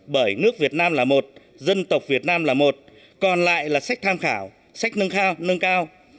bởi nước việt nam là một dân tộc việt nam là một còn lại là sách tham khảo sách nâng khao nâng cao